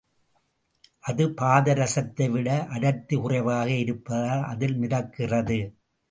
அது பாதரசத்தை விட அடர்த்தி குறைவாக இருப்பதால் அதில் மிதக்கிறது.